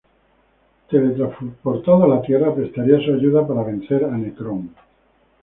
Teletransportado a la tierra, prestaría su ayuda para vencer a Nekron.